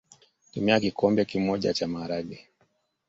Tumia kikombe moja cha maharage